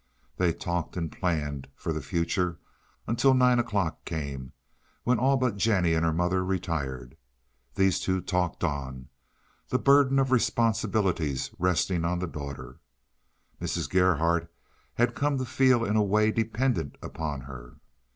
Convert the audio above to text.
They talked and planned for the future until nine o'clock came, when all but Jennie and her mother retired. These two talked on, the burden of responsibilities resting on the daughter. Mrs. Gerhardt had come to feel in a way dependent upon her.